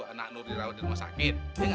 anak nur dirawat di rumah sakit